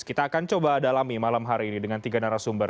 kita akan coba dalami malam hari ini dengan tiga narasumber